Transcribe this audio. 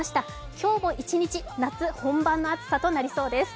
今日も一日、夏本番の暑さとなりそうです。